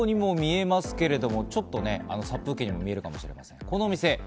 コンビニのようにも見えますけれども、ちょっと殺風景にも見えるかもしれません。